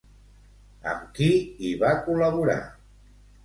Amb qui hi va col·laborar?